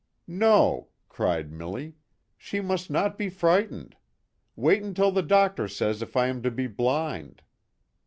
" No," cried Milly. " She must not be fright ened. Wait until the doctor says if I am to be blind."